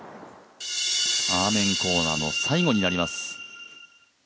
アーメン・コーナーの最後になります。